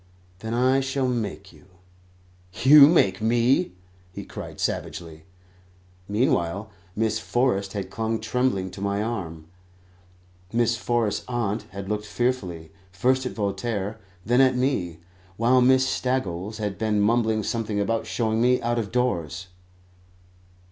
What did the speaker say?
"Then I shall make you." "You make me?" he cried savagely. Meanwhile Miss Forrest had clung tremblingly to my arm; Miss Forrest's aunt had looked fearfully, first at Voltaire, then at me; while Miss Staggles had been mumbling something about showing me out of doors.